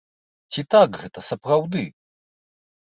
Ці так гэта сапраўды?